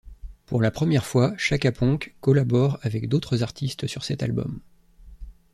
Pour la première fois, Shaka Ponk collabore avec d'autres artistes sur cet album.